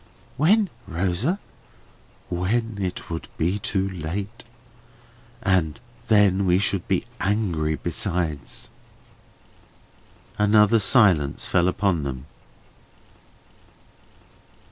"When, Rosa?" "When it would be too late. And then we should be angry, besides." Another silence fell upon them.